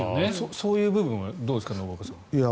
そういう部分はどうですか、信岡さん。